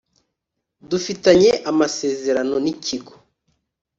dufitanye amasezerano nikigo.